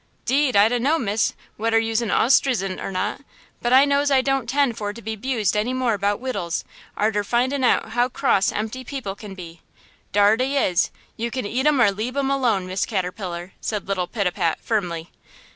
"'Deed I dunno, Miss, whedder you'se an ostrizant or not, but I knows I don't 'tend for to be 'bused any more 'bout wittels, arter findin' out how cross empty people can be! Dar dey is! You can eat um or leab um alone, Miss Caterpillar!" said little Pitapat, firmly.